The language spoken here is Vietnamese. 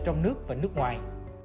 trong nước và nước ngoài